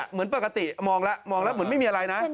เหมือนปกติมองแล้วมองแล้วเหมือนไม่มีอะไรนะ